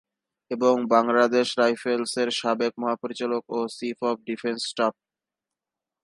এবং বাংলাদেশ রাইফেলসের সাবেক মহাপরিচালক ও চিফ অব ডিফেন্স স্টাফ।